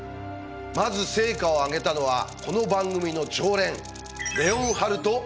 まず成果を上げたのはこの番組の常連レオンハルト・オイラーです。